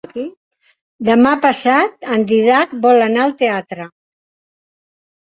Demà passat en Dídac vol anar al teatre.